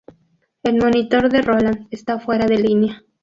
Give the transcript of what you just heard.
El monitor de Roland está fuera de línea.